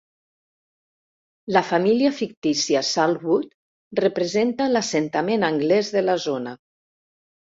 La família fictícia Saltwood representa l"assentament anglès de la zona.